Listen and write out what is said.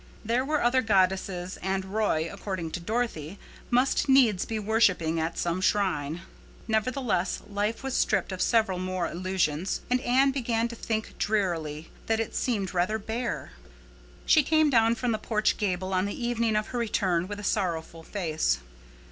There were other goddesses, and Roy, according to Dorothy, must needs be worshipping at some shrine. Nevertheless, life was stripped of several more illusions, and Anne began to think drearily that it seemed rather bare. She came down from the porch gable on the evening of her return with a sorrowful face.